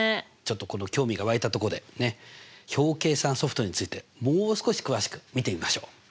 ちょっと興味が湧いたとこで表計算ソフトについてもう少し詳しく見てみましょう。